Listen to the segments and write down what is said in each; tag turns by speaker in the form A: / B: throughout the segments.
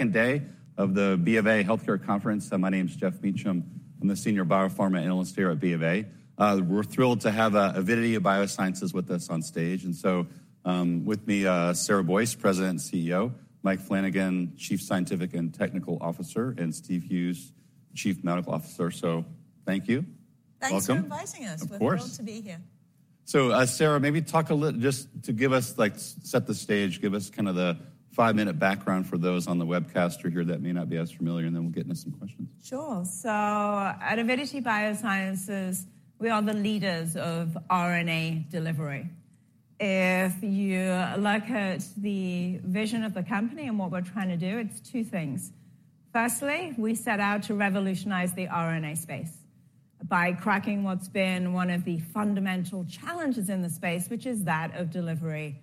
A: Second day of the BofA Healthcare Conference. My name is Geoff Meacham. I'm the Senior Biopharma Analyst here at BofA. We're thrilled to have Avidity Biosciences with us on stage. So, with me, Sarah Boyce, President and CEO, Mike Flanagan, Chief Scientific and Technical Officer, and Steve Hughes, Chief Medical Officer. So thank you.
B: Thanks for inviting us.
A: Welcome. Of course.
B: We're thrilled to be here.
A: So, Sarah, maybe talk a little just to give us, like, set the stage, give us kind of the five-minute background for those on the webcast or here that may not be as familiar, and then we'll get into some questions.
B: Sure. So at Avidity Biosciences, we are the leaders of RNA delivery. If you look at the vision of the company and what we're trying to do, it's two things. Firstly, we set out to revolutionize the RNA space by cracking what's been one of the fundamental challenges in the space, which is that of delivery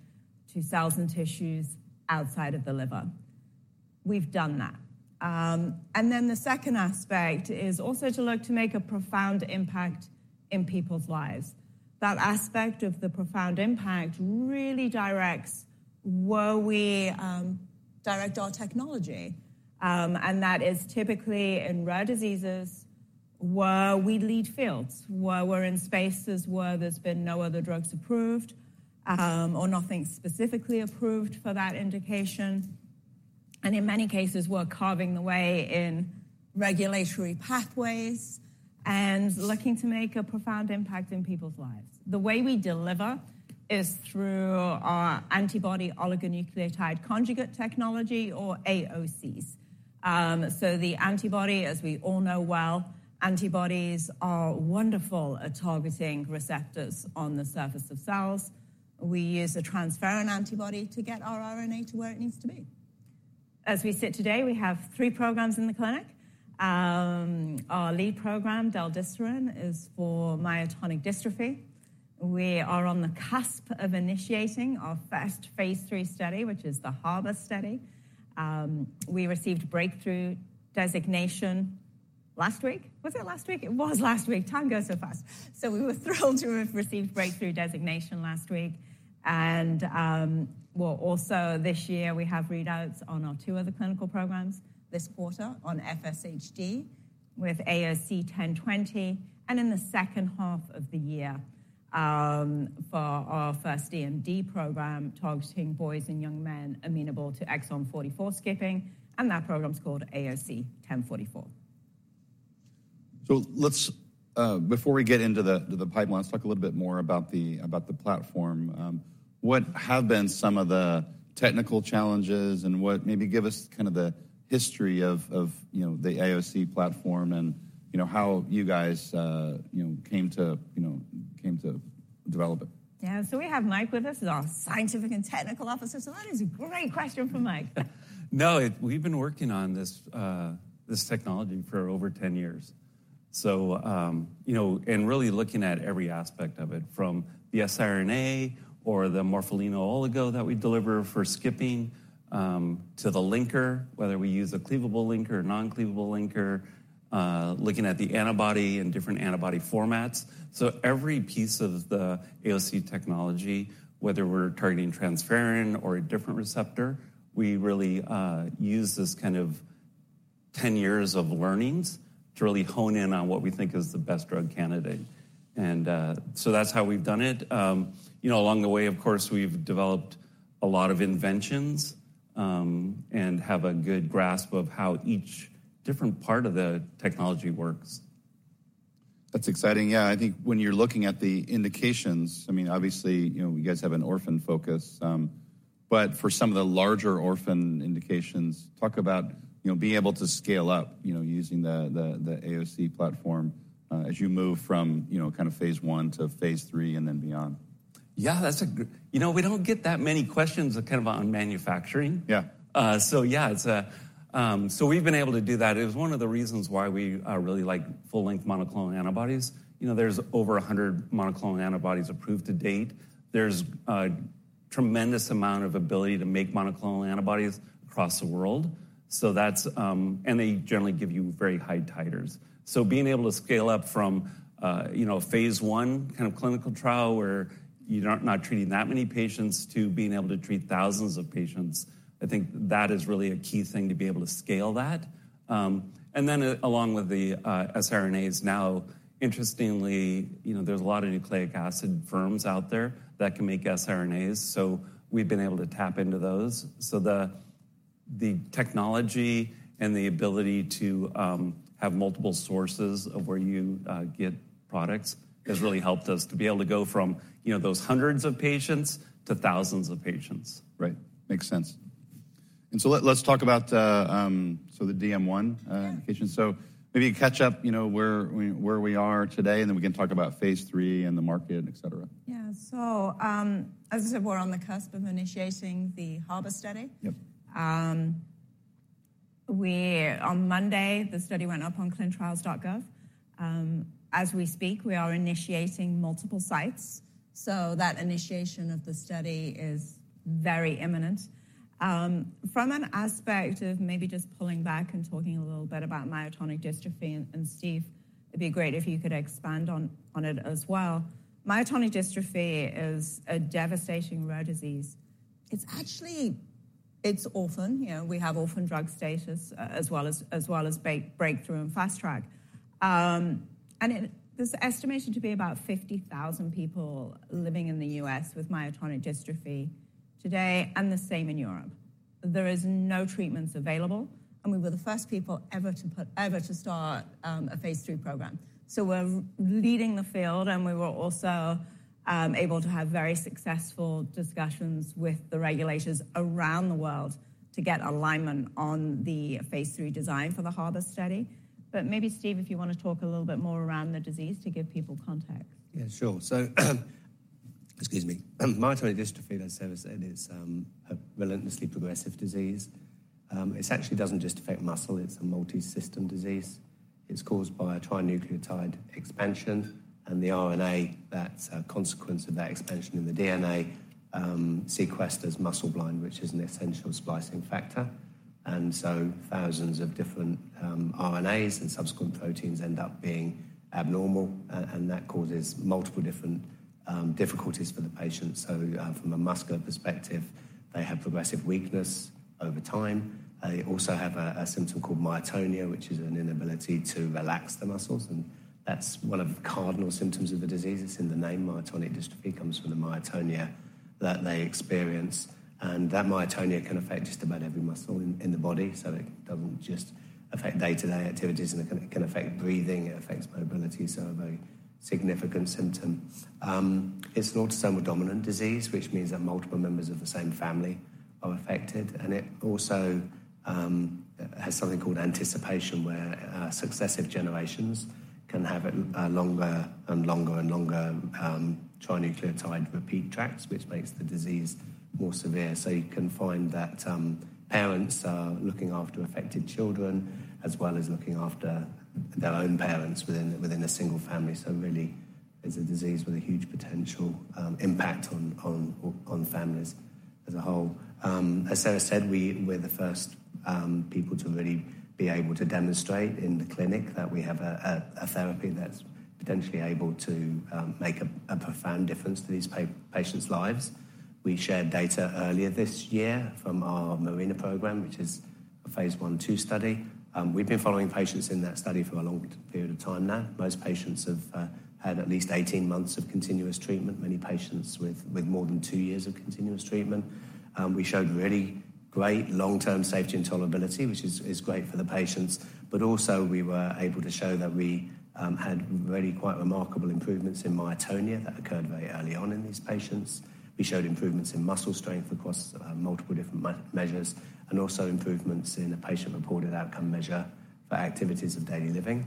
B: to cells and tissues outside of the liver. We've done that. And then the second aspect is also to look to make a profound impact in people's lives. That aspect of the profound impact really directs where we direct our technology, and that is typically in rare diseases where we lead fields, where we're in spaces where there's been no other drugs approved, or nothing specifically approved for that indication. In many cases, we're carving the way in regulatory pathways and looking to make a profound impact in people's lives. The way we deliver is through our antibody oligonucleotide conjugate technology or AOCs. So the antibody, as we all know well, antibodies are wonderful at targeting receptors on the surface of cells. We use a transferrin antibody to get our RNA to where it needs to be. As we sit today, we have three programs in the clinic. Our lead program, del-desiran, is for myotonic dystrophy. We are on the cusp of initiating our first phase III study, which is the HARBOR study. We received breakthrough designation last week. Was it last week? It was last week. Time goes so fast. So we were thrilled to have received breakthrough designation last week. Also this year, we have readouts on our two other clinical programs this quarter on FSHD with AOC 1020, and in the second half of the year, for our first DMD program, targeting boys and young men amenable to exon 44 skipping, and that program is called AOC 1044.
A: So let's, before we get into the pipeline, let's talk a little bit more about the platform. What have been some of the technical challenges and what, maybe give us kind of the history of, you know, the AOC platform and, you know, how you guys, you know, came to, you know, came to develop it.
B: Yeah. So we have Mike with us, he's our scientific and technical officer, so that is a great question for Mike.
C: No, we've been working on this, this technology for over 10 years. So, you know, and really looking at every aspect of it, from the siRNA or the morpholino oligo that we deliver for skipping, to the linker, whether we use a cleavable linker or non-cleavable linker, looking at the antibody and different antibody formats. So every piece of the AOC technology, whether we're targeting transferrin or a different receptor, we really use this kind of 10 years of learnings to really hone in on what we think is the best drug candidate. And, so that's how we've done it. You know, along the way, of course, we've developed a lot of inventions, and have a good grasp of how each different part of the technology works.
A: That's exciting. Yeah, I think when you're looking at the indications, I mean, obviously, you know, you guys have an orphan focus, but for some of the larger orphan indications, talk about, you know, being able to scale up, you know, using the AOC platform, as you move from, you know, kind of phase I to phase III and then beyond.
C: Yeah, that's a good... You know, we don't get that many questions kind of on manufacturing.
A: Yeah.
C: So yeah, we've been able to do that. It was one of the reasons why we really like full-length monoclonal antibodies. You know, there's over 100 monoclonal antibodies approved to date. There's a tremendous amount of ability to make monoclonal antibodies across the world. So that's. And they generally give you very high titers. So being able to scale up from, you know, phase I kind of clinical trial, where you're not treating that many patients, to being able to treat thousands of patients, I think that is really a key thing, to be able to scale that. And then along with the siRNAs now, interestingly, you know, there's a lot of nucleic acid firms out there that can make siRNAs, so we've been able to tap into those. So the technology and the ability to have multiple sources of where you get products has really helped us to be able to go from, you know, those hundreds of patients to thousands of patients.
A: Right. Makes sense. So let's talk about the DM1 indication. So maybe catch up, you know, where we are today, and then we can talk about phase III and the market, et cetera.
B: Yeah. As I said, we're on the cusp of initiating the HARBOR study.
A: Yep.
B: On Monday, the study went up on ClinicalTrials.gov. As we speak, we are initiating multiple sites, so that initiation of the study is very imminent. From an aspect of maybe just pulling back and talking a little bit about myotonic dystrophy, and Steve... It'd be great if you could expand on it as well. Myotonic dystrophy is a devastating rare disease. It's actually, it's orphan. You know, we have orphan drug status, as well as breakthrough and fast track. And it, there's estimated to be about 50,000 people living in the U.S. with myotonic dystrophy today, and the same in Europe. There is no treatments available, and we were the first people ever to put—ever to start a phase III program. So we're leading the field, and we were also able to have very successful discussions with the regulators around the world to get alignment on the phase III design for the HARBOR study. But maybe, Steve, if you want to talk a little bit more around the disease to give people context.
D: Yeah, sure. So, excuse me. Myotonic dystrophy, as Sarah said, is a relentlessly progressive disease. It actually doesn't just affect muscle; it's a multisystem disease. It's caused by a trinucleotide expansion, and the RNA that's a consequence of that expansion in the DNA sequesters muscleblind, which is an essential splicing factor. And so thousands of different RNAs and subsequent proteins end up being abnormal, and that causes multiple different difficulties for the patient. So, from a muscular perspective, they have progressive weakness over time. They also have a symptom called myotonia, which is an inability to relax the muscles, and that's one of the cardinal symptoms of the disease. It's in the name; myotonic dystrophy comes from the myotonia that they experience, and that myotonia can affect just about every muscle in the body. So it doesn't just affect day-to-day activities, and it can affect breathing, it affects mobility, so a very significant symptom. It's an autosomal dominant disease, which means that multiple members of the same family are affected, and it also has something called anticipation, where successive generations can have it longer and longer and longer trinucleotide repeat tracts, which makes the disease more severe. So you can find that parents are looking after affected children, as well as looking after their own parents within a single family. So really, it's a disease with a huge potential impact on families as a whole. As Sarah said, we're the first people to really be able to demonstrate in the clinic that we have a therapy that's potentially able to make a profound difference to these patients' lives. We shared data earlier this year from our MARINA program, which is a phase I/II study. We've been following patients in that study for a long period of time now. Most patients have had at least 18 months of continuous treatment, many patients with more than two years of continuous treatment. We showed really great long-term safety and tolerability, which is great for the patients. But also we were able to show that we had really quite remarkable improvements in myotonia that occurred very early on in these patients. We showed improvements in muscle strength across multiple different measures, and also improvements in a patient-reported outcome measure for activities of daily living.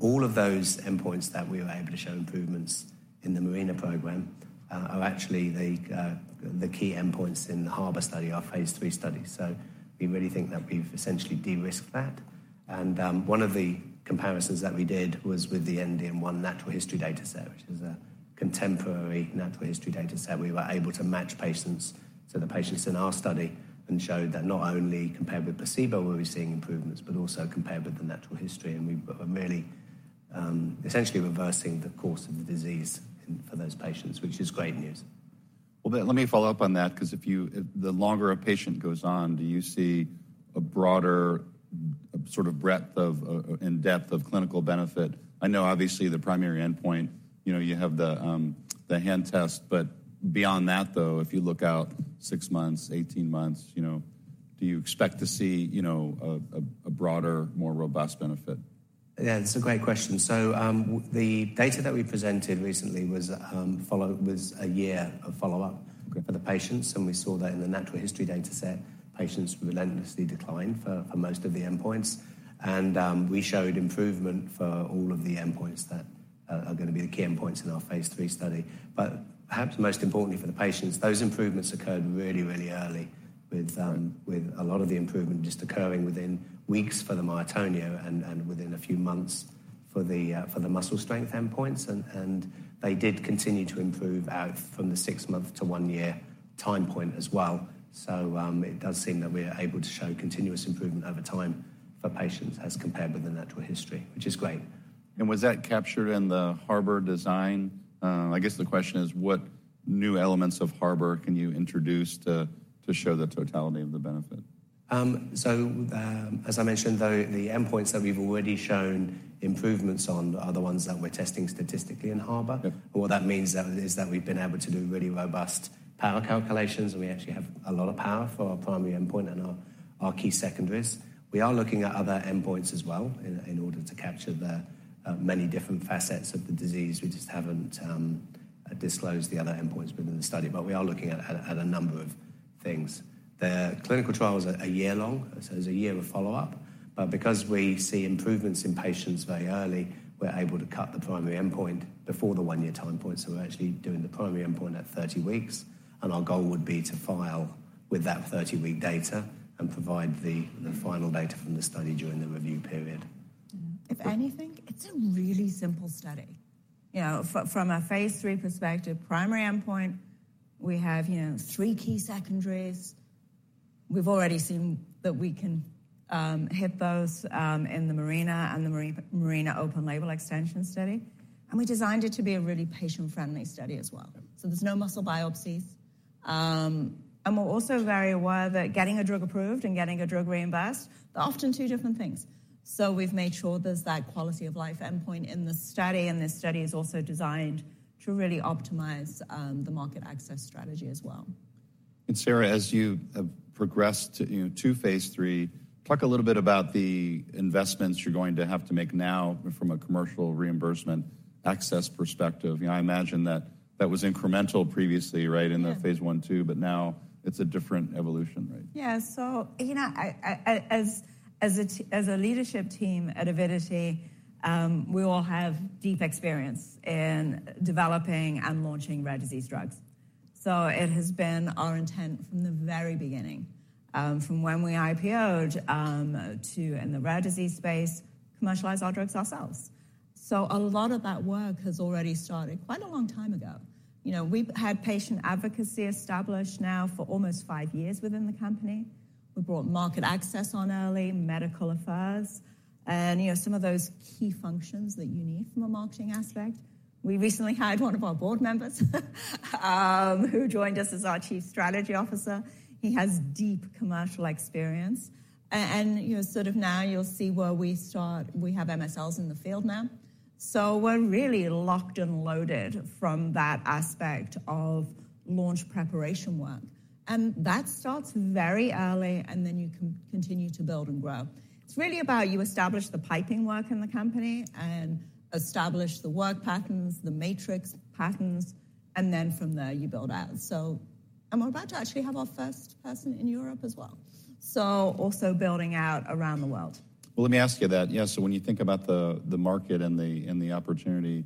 D: All of those endpoints that we were able to show improvements in the MARINA program are actually the key endpoints in the HARBOR study, our phase III study. So we really think that we've essentially de-risked that. One of the comparisons that we did was with the END-DM1 natural history dataset, which is a contemporary natural history dataset. We were able to match patients to the patients in our study and showed that not only compared with placebo were we seeing improvements, but also compared with the natural history. We were merely essentially reversing the course of the disease in for those patients, which is great news.
A: Well, then let me follow up on that, 'cause if you, The longer a patient goes on, do you see a broader, sort of breadth of, and depth of clinical benefit? I know obviously the primary endpoint, you know, you have the, the hand test, but beyond that, though, if you look out six months, 18 months, you know, do you expect to see, you know, a broader, more robust benefit?
D: Yeah, it's a great question. So, the data that we presented recently was follow-up, was a year of follow-up-
A: Okay.
D: ...for the patients, and we saw that in the natural history dataset, patients relentlessly declined for most of the endpoints. We showed improvement for all of the endpoints that are gonna be the key endpoints in our phase III study. But perhaps most importantly for the patients, those improvements occurred really, really early, with a lot of the improvement just occurring within weeks for the myotonia and within a few months for the muscle strength endpoints. They did continue to improve out from the six month to one year time point as well. It does seem that we're able to show continuous improvement over time for patients as compared with the natural history, which is great.
A: Was that captured in the HARBOR design? I guess the question is: what new elements of HARBOR can you introduce to show the totality of the benefit?
D: As I mentioned, though, the endpoints that we've already shown improvements on are the ones that we're testing statistically in HARBOR.
A: Yep.
D: What that means then is that we've been able to do really robust power calculations, and we actually have a lot of power for our primary endpoint and our key secondaries. We are looking at other endpoints as well in order to capture the many different facets of the disease. We just haven't disclosed the other endpoints within the study, but we are looking at a number of things. The clinical trial was a year long, so there's a year of follow-up, but because we see improvements in patients very early, we're able to cut the primary endpoint before the one year time point. So we're actually doing the primary endpoint at 30 weeks, and our goal would be to file with that 30-week data and provide the final data from the study during the review period.
B: If anything, it's a really simple study. You know, from a phase III perspective, primary endpoint, we have, you know, three key secondaries. We've already seen that we can hit those in the MARINA and the MARINA open label extension study, and we designed it to be a really patient-friendly study as well. So there's no muscle biopsies. And we're also very aware that getting a drug approved and getting a drug reimbursed are often two different things. So we've made sure there's that quality of life endpoint in this study, and this study is also designed to really optimize the market access strategy as well.
A: Sarah, as you have progressed, you know, to phase III, talk a little bit about the investments you're going to have to make now from a commercial reimbursement access perspective. You know, I imagine that that was incremental previously, right?
B: Yeah.
A: In the phase I, II, but now it's a different evolution, right?
B: Yeah. So, you know, I as a leadership team at Avidity, we all have deep experience in developing and launching rare disease drugs. So it has been our intent from the very beginning, from when we IPO'd, to in the rare disease space, commercialize our drugs ourselves. So a lot of that work has already started quite a long time ago. You know, we've had patient advocacy established now for almost five years within the company. We brought market access on early medical affairs and, you know, some of those key functions that you need from a marketing aspect. We recently hired one of our board members, who joined us as our Chief Strategy Officer. He has deep commercial experience and, you know, sort of now you'll see where we start. We have MSLs in the field now. So we're really locked and loaded from that aspect of launch preparation work, and that starts very early, and then you continue to build and grow. It's really about you establish the piping work in the company and establish the work patterns, the matrix patterns, and then from there, you build out. So... And we're about to actually have our first person in Europe as well. So also building out around the world.
A: Well, let me ask you that. Yeah, so when you think about the market and the opportunity,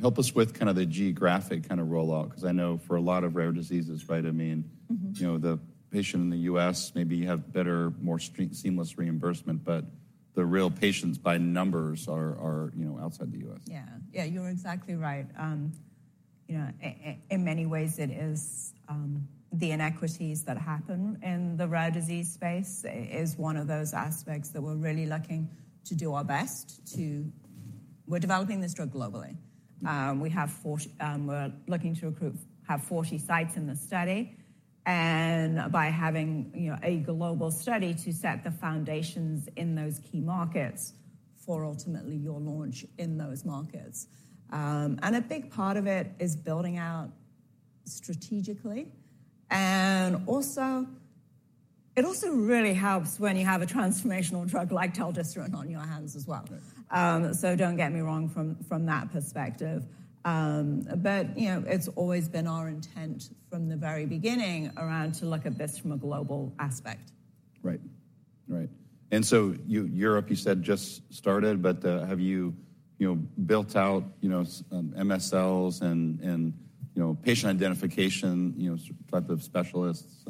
A: help us with kind of the geographic kind of rollout, because I know for a lot of rare diseases, right, I mean-
B: Mm-hmm.
A: You know, the patient in the U.S. maybe have better, more streamlined, seamless reimbursement, but the real patients by numbers are, you know, outside the U.S.
B: Yeah. Yeah, you're exactly right. You know, in many ways, it is, the inequities that happen in the rare disease space is one of those aspects that we're really looking to do our best to... We're developing this drug globally. We have 40, we're looking to recruit, have 40 sites in the study, and by having, you know, a global study to set the foundations in those key markets for ultimately your launch in those markets. And a big part of it is building out strategically, and also, it also really helps when you have a transformational drug like del-desiran on your hands as well. So don't get me wrong from, from that perspective. But, you know, it's always been our intent from the very beginning around to look at this from a global aspect.
A: Right. Right. And so you, Europe, you said, just started, but, have you, you know, built out, you know, MSLs and, and, you know, patient identification, you know, type of specialists,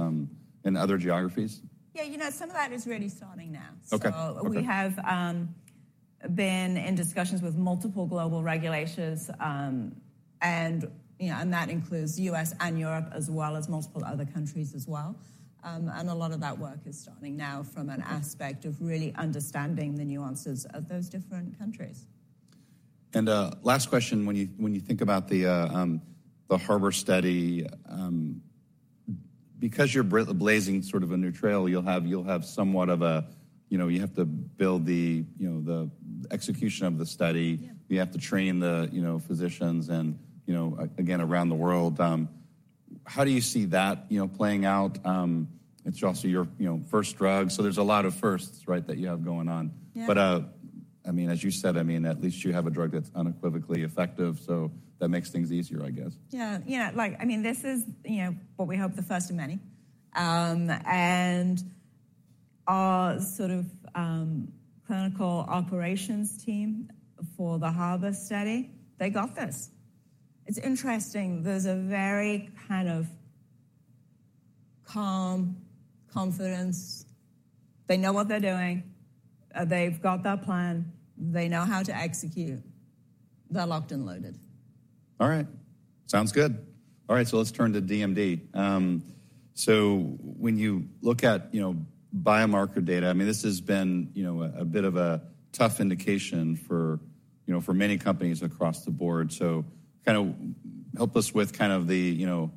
A: in other geographies?
B: Yeah, you know, some of that is really starting now.
A: Okay. Okay.
B: So we have been in discussions with multiple global regulators, and, you know, and that includes U.S. and Europe, as well as multiple other countries as well. And a lot of that work is starting now from an aspect of really understanding the nuances of those different countries.
A: Last question. When you think about the HARBOR study, because you're blazing sort of a new trail, you'll have somewhat of a, you know, you have to build the, you know, the execution of the study.
B: Yeah.
A: You have to train the, you know, physicians and, you know, again, around the world. How do you see that, you know, playing out? It's also your, you know, first drug, so there's a lot of firsts, right, that you have going on.
B: Yeah.
A: But, I mean, as you said, I mean, at least you have a drug that's unequivocally effective, so that makes things easier, I guess.
B: Yeah. Yeah, like, I mean, this is, you know, what we hope the first of many. And our sort of clinical operations team for the HARBOR study, they got this. It's interesting, there's a very kind of calm confidence. They know what they're doing. They've got their plan. They know how to execute. They're locked and loaded.
A: All right. Sounds good. All right, so let's turn to DMD. So when you look at, you know, biomarker data, I mean, this has been, you know, a bit of a tough indication for, you know, for many companies across the board. So kind of help us with kind of the, you know,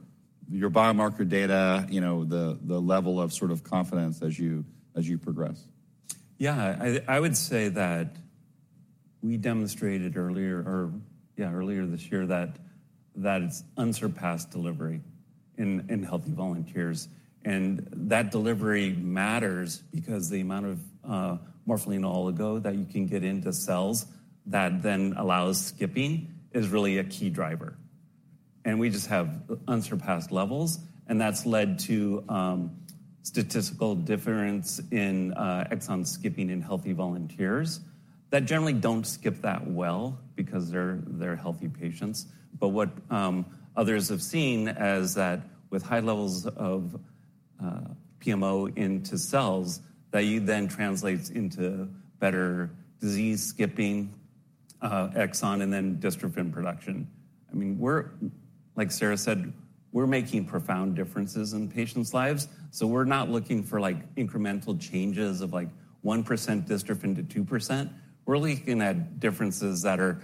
A: your biomarker data, you know, the level of sort of confidence as you, as you progress.
C: Yeah, I would say that we demonstrated earlier this year that it's unsurpassed delivery in healthy volunteers. And that delivery matters because the amount of morpholino oligo that you can get into cells that then allows skipping is really a key driver. And we just have unsurpassed levels, and that's led to statistical difference in exon skipping in healthy volunteers that generally don't skip that well because they're healthy patients. But what others have seen is that with high levels of PMO into cells, that then translates into better exon skipping and then dystrophin production. I mean, like Sarah said, we're making profound differences in patients' lives, so we're not looking for like incremental changes of like 1% dystrophin to 2%. We're looking at differences that are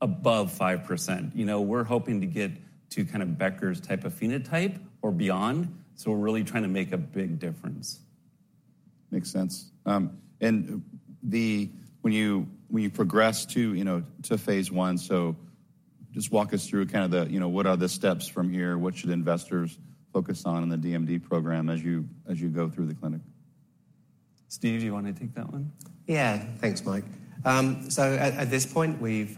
C: above 5%. You know, we're hoping to get to kind of Becker's type of phenotype or beyond, so we're really trying to make a big difference.
A: Makes sense. And then, when you progress to, you know, phase I, so just walk us through kind of the, you know, what are the steps from here? What should investors focus on in the DMD program as you go through the clinic?
C: Steve, do you want to take that one?
D: Yeah. Thanks, Mike. So at this point, we've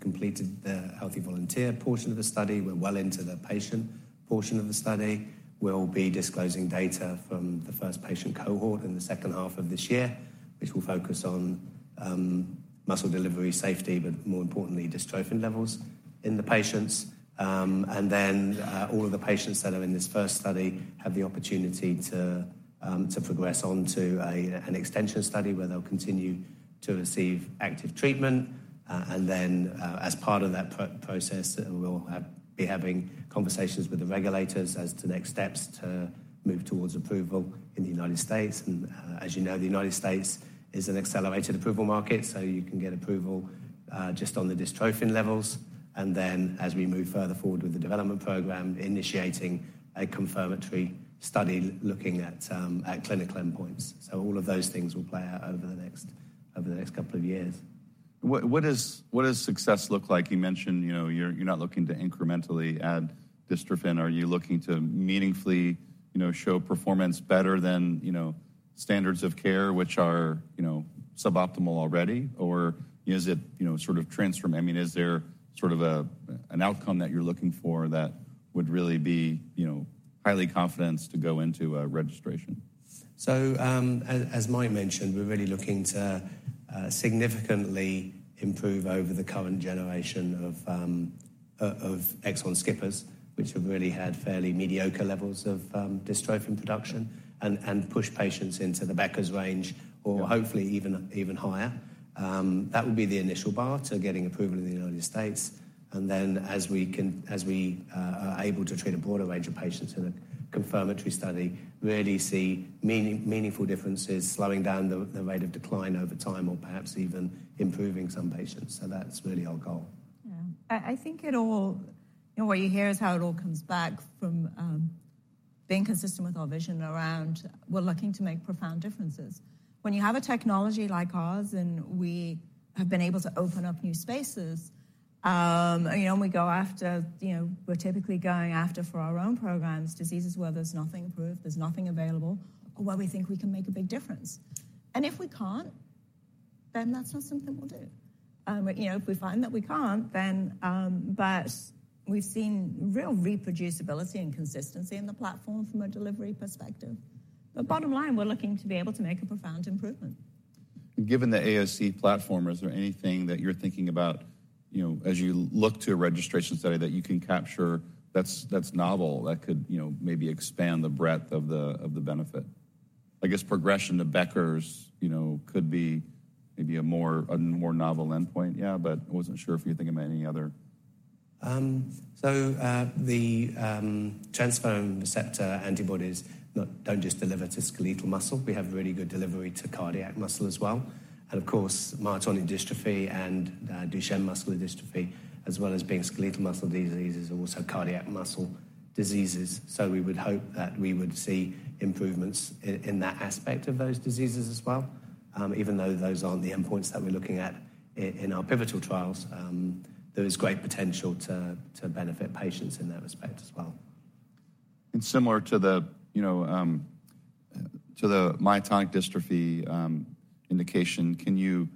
D: completed the healthy volunteer portion of the study. We're well into the patient portion of the study. We'll be disclosing data from the first patient cohort in the second half of this year, which will focus on muscle delivery safety, but more importantly, dystrophin levels in the patients. And then, all of the patients that are in this first study have the opportunity to progress on to an extension study where they'll continue to receive active treatment. And then, as part of that process, we'll be having conversations with the regulators as to next steps to move towards approval in the United States. And, as you know, the United States is an accelerated approval market, so you can get approval, just on the dystrophin levels, and then as we move further forward with the development program, initiating a confirmatory study looking at, at clinical endpoints. So all of those things will play out over the next couple of years.
A: What does success look like? You mentioned, you know, you're not looking to incrementally add dystrophin. Are you looking to meaningfully, you know, show performance better than, you know, standards of care which are, you know, suboptimal already? Or is it, you know, sort of transform-- I mean, is there sort of a, an outcome that you're looking for that would really be, you know, highly confidence to go into a registration?
D: So, as Mike mentioned, we're really looking to significantly improve over the current generation of exon skippers, which have really had fairly mediocre levels of dystrophin production, and push patients into the Becker's range or hopefully even higher. That would be the initial bar to getting approval in the United States. And then, as we are able to treat a broader range of patients in a confirmatory study, really see meaningful differences, slowing down the rate of decline over time or perhaps even improving some patients. So that's really our goal.
B: Yeah. I, I think it all, you know, what you hear is how it all comes back from, being consistent with our vision around we're looking to make profound differences. When you have a technology like ours, and we have been able to open up new spaces, you know, when we go after, you know, we're typically going after, for our own programs, diseases where there's nothing approved, there's nothing available, or where we think we can make a big difference. And if we can't, then that's not something we'll do. You know, if we find that we can't, then... But we've seen real reproducibility and consistency in the platform from a delivery perspective. But bottom line, we're looking to be able to make a profound improvement.
A: Given the AOC platform, is there anything that you're thinking about, you know, as you look to a registration study that you can capture that's, that's novel, that could, you know, maybe expand the breadth of the, of the benefit? I guess progression to Becker's, you know, could be maybe a more, a more novel endpoint. Yeah, but I wasn't sure if you're thinking about any other?
D: So, the transferrin receptor antibodies don't just deliver to skeletal muscle. We have really good delivery to cardiac muscle as well, and of course, myotonic dystrophy and Duchenne muscular dystrophy, as well as being skeletal muscle diseases, are also cardiac muscle diseases. So we would hope that we would see improvements in that aspect of those diseases as well. Even though those aren't the endpoints that we're looking at in our pivotal trials, there is great potential to benefit patients in that respect as well.
A: Similar to the, you know, to the myotonic dystrophy indication, can you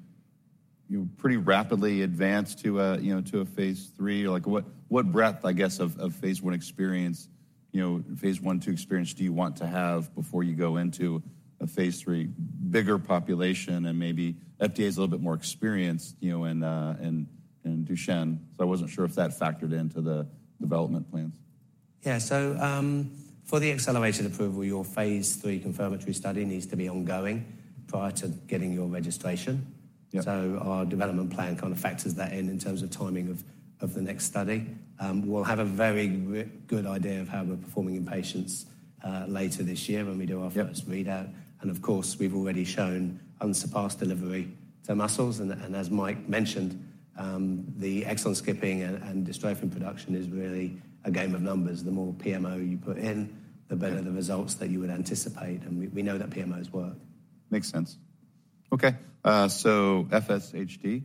A: pretty rapidly advance to a, you know, to a phase III? Like, what breadth, I guess, of phase I experience, you know, phase I, II experience do you want to have before you go into a phase III, bigger population and maybe FDA is a little bit more experienced, you know, in Duchenne? So I wasn't sure if that factored into the development plans.
D: Yeah. For the accelerated approval, your phase III confirmatory study needs to be ongoing prior to getting your registration.
A: Yeah.
D: Our development plan kind of factors that in, in terms of timing of the next study. We'll have a very good idea of how we're performing in patients later this year when we do our-
A: Yep....
D: first readout. And of course, we've already shown unsurpassed delivery to muscles, and as Mike mentioned, the exon skipping and dystrophin production is really a game of numbers. The more PMO you put in, the better the results that you would anticipate, and we know that PMOs work.
A: Makes sense. Okay, so FSHD,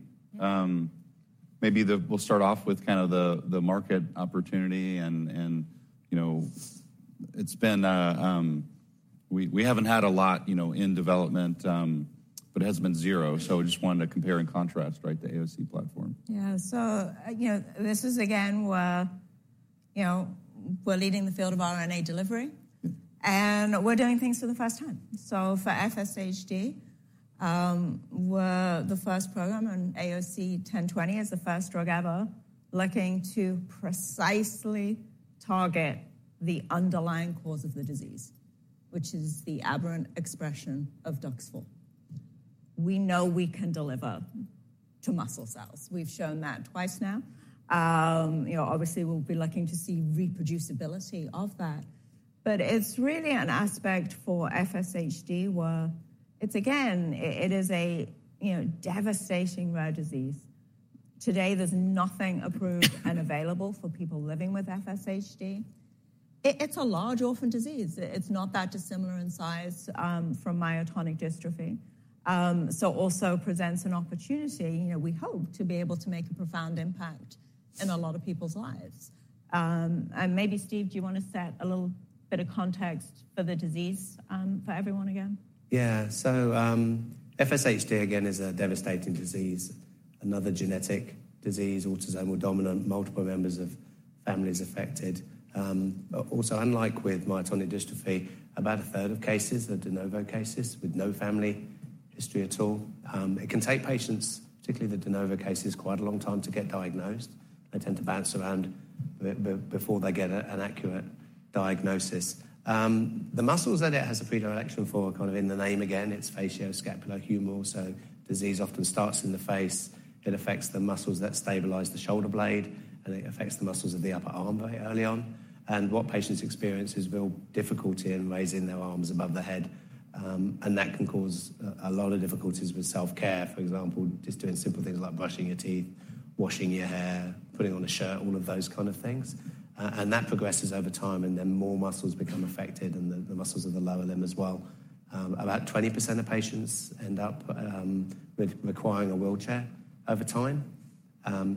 A: maybe we'll start off with kind of the market opportunity and, you know, it's been. We haven't had a lot, you know, in development, but it hasn't been zero. So I just wanted to compare and contrast, right, the AOC platform.
B: Yeah. So, you know, this is, again, where, you know, we're leading the field of RNA delivery-
A: Mm.
B: and we're doing things for the first time. So for FSHD, we're the first program, and AOC1020 is the first drug ever looking to precisely target the underlying cause of the disease, which is the aberrant expression of DUX4. We know we can deliver to muscle cells. We've shown that twice now. You know, obviously, we'll be looking to see reproducibility of that, but it's really an aspect for FSHD, where it's again a you know devastating rare disease. Today, there's nothing approved and available for people living with FSHD. It's a large orphan disease. It's not that dissimilar in size from myotonic dystrophy. So also presents an opportunity, you know, we hope to be able to make a profound impact in a lot of people's lives. Maybe Steve, do you want to set a little bit of context for the disease, for everyone again?
D: Yeah. So, FSHD, again, is a devastating disease, another genetic disease, autosomal dominant, multiple members of families affected. Also, unlike with myotonic dystrophy, about a third of cases are de novo cases with no family history at all. It can take patients, particularly the de novo cases, quite a long time to get diagnosed. They tend to bounce around before they get an accurate diagnosis. The muscles that it has a predilection for, kind of in the name, again, it's facioscapulohumeral, so disease often starts in the face. It affects the muscles that stabilize the shoulder blade, and it affects the muscles of the upper arm very early on. And what patients experience is real difficulty in raising their arms above the head, and that can cause a lot of difficulties with self-care. For example, just doing simple things like brushing your teeth, washing your hair, putting on a shirt, all of those kind of things. And that progresses over time, and then more muscles become affected, and the muscles of the lower limb as well. About 20% of patients end up with requiring a wheelchair over time.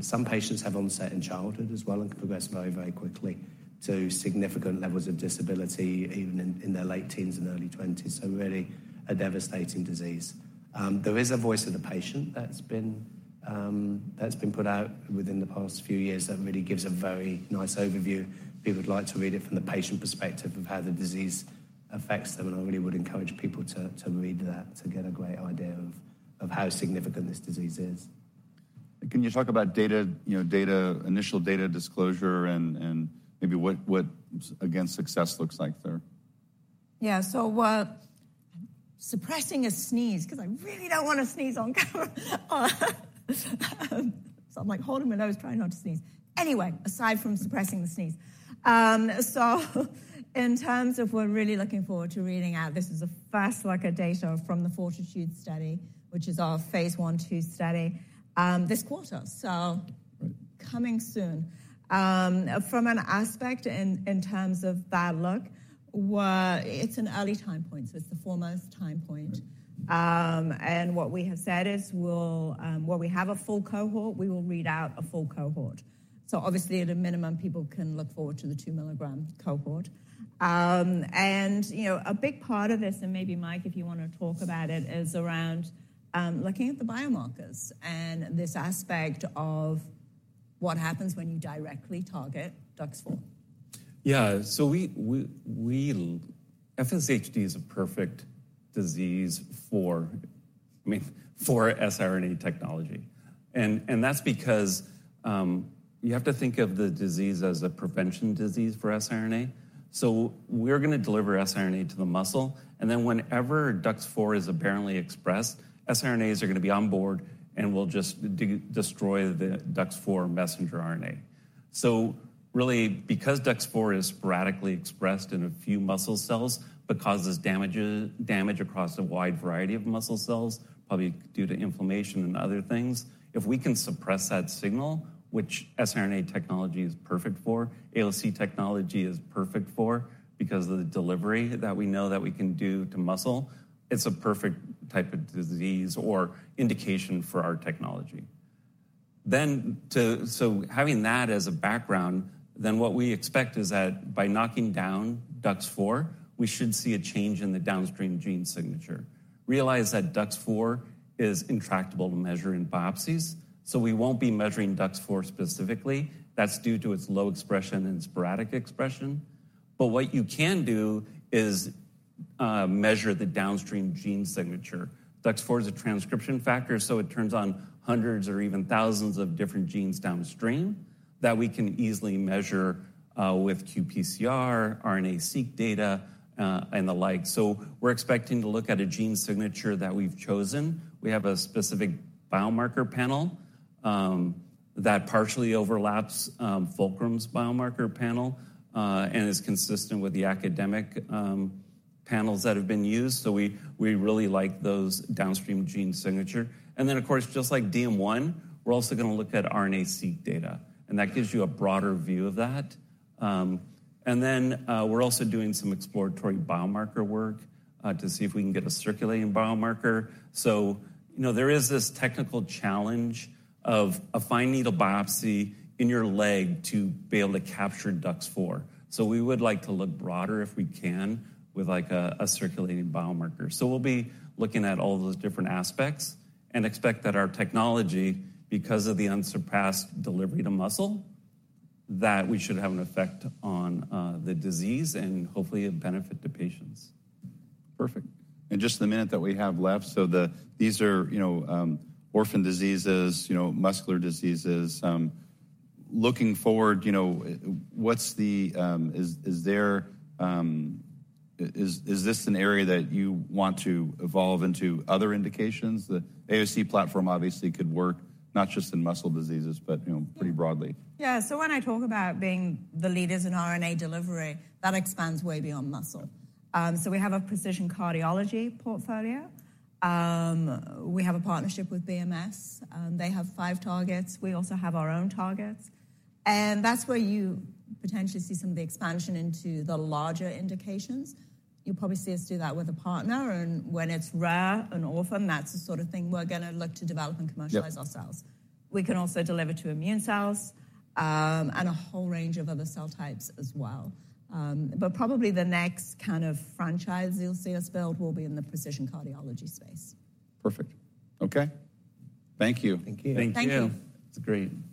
D: Some patients have onset in childhood as well and can progress very, very quickly to significant levels of disability even in their late teens and early 20s. So really a devastating disease. There is a voice of the patient that's been put out within the past few years that really gives a very nice overview. People would like to read it from the patient perspective of how the disease affects them, and I really would encourage people to read that to get a great idea of how significant this disease is.
A: Can you talk about data, you know, initial data disclosure and maybe what, again, success looks like there?
B: Yeah. So, suppressing a sneeze 'cause I really don't want to sneeze on camera. So I'm, like, holding my nose, trying not to sneeze. Anyway, aside from suppressing the sneeze, so in terms of we're really looking forward to reading out, this is the first look at data from the FORTITUDE study, which is our phase I/II study, this quarter, so coming soon. From an aspect in, in terms of that look, well, it's an early time point, so it's the four-month time point. And what we have said is we'll, when we have a full cohort, we will read out a full cohort. So obviously, at a minimum, people can look forward to the 2 mg cohort. And, you know, a big part of this, and maybe Mike, if you want to talk about it, is around, looking at the biomarkers and this aspect of what happens when you directly target DUX4.
C: Yeah. So we FSHD is a perfect disease for, I mean, for siRNA technology, and that's because, you have to think of the disease as a prevention disease for siRNA. So we're gonna deliver siRNA to the muscle, and then whenever DUX4 is apparently expressed, siRNAs are gonna be on board, and we'll just destroy the DUX4 messenger RNA. So really, because DUX4 is sporadically expressed in a few muscle cells but causes damage across a wide variety of muscle cells, probably due to inflammation and other things, if we can suppress that signal, which siRNA technology is perfect for, AOC technology is perfect for because of the delivery that we know that we can do to muscle, it's a perfect type of disease or indication for our technology. So having that as a background, then what we expect is that by knocking down DUX4, we should see a change in the downstream gene signature. Realize that DUX4 is intractable to measure in biopsies, so we won't be measuring DUX4 specifically. That's due to its low expression and sporadic expression. But what you can do is, measure the downstream gene signature. DUX4 is a transcription factor, so it turns on hundreds or even thousands of different genes downstream that we can easily measure with qPCR, RNA-seq data, and the like. So we're expecting to look at a gene signature that we've chosen. We have a specific biomarker panel that partially overlaps Fulcrum's biomarker panel and is consistent with the academic panels that have been used. So we really like those downstream gene signature. And then, of course, just like DM1, we're also gonna look at RNA-seq data, and that gives you a broader view of that. We're also doing some exploratory biomarker work to see if we can get a circulating biomarker. So, you know, there is this technical challenge of a fine needle biopsy in your leg to be able to capture DUX4. So we would like to look broader if we can, with, like, a circulating biomarker. So we'll be looking at all those different aspects and expect that our technology, because of the unsurpassed delivery to muscle, that we should have an effect on the disease and hopefully a benefit to patients.
A: Perfect. In just the minute that we have left, These are, you know, orphan diseases, you know, muscular diseases. Looking forward, you know, what's the, Is, is there, is, is this an area that you want to evolve into other indications? The AOC platform obviously could work not just in muscle diseases but, you know, pretty broadly.
B: Yeah. So when I talk about being the leaders in RNA delivery, that expands way beyond muscle. So we have a precision cardiology portfolio. We have a partnership with BMS, and they have five targets. We also have our own targets, and that's where you potentially see some of the expansion into the larger indications. You'll probably see us do that with a partner, and when it's rare and orphan, that's the sort of thing we're gonna look to develop and commercialize ourselves.
A: Yeah.
B: We can also deliver to immune cells, and a whole range of other cell types as well. But probably the next kind of franchise you'll see us build will be in the precision cardiology space.
A: Perfect. Okay. Thank you.
D: Thank you.
C: Thank you.
B: Thank you.
C: It's great.